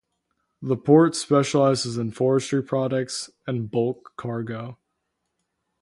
The port specialises in forestry products and bulk cargo.